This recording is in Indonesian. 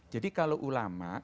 jadi kalau ulama